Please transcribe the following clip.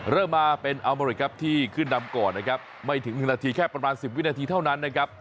เริ่มมาเป็นอัลโมริครับที่ขึ้นนำก่อนนะครับไม่ถึง๑นาทีแค่ประมาณ๑๐วินาทีเท่านั้นนะครับ